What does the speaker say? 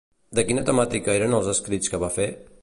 De quina temàtica eren els escrits que va fer?